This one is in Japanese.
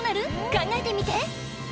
考えてみて！